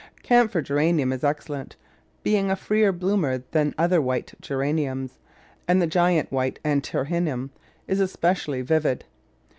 Camphor Geranium is excellent, being a freer bloom er than other white Geraniums, and the Giant White Antirrhinum is especially vivid.